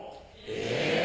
え！